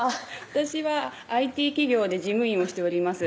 私はＩＴ企業で事務員をしております